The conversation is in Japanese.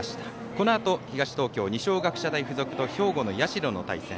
このあと東東京、二松学舎大付属と兵庫の社高校の対戦。